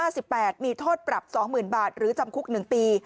กับมาตรา๔๕๘มีโทษปรับ๒๐๐๐๐บาทหรือจำคุก๑ปี